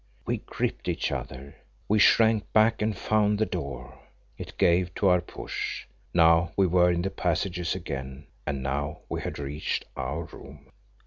We gripped each other. We shrank back and found the door. It gave to our push. Now we were in the passages again, and now we had reached our room.